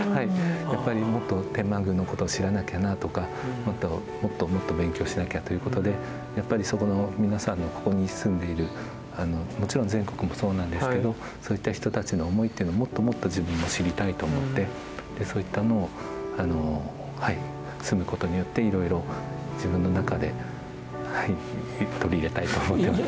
やっぱりもっと天満宮のことを知らなきゃなとかもっともっともっと勉強しなきゃということでやっぱりそこの皆さんのここに住んでいるもちろん全国もそうなんですけどそういった人たちの思いっていうのをもっともっと自分も知りたいと思ってそういったのを住むことによっていろいろ自分の中で取り入れたいと思ってます。